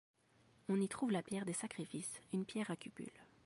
On y trouve la Pierre des Sacrifices, une pierre à cupules.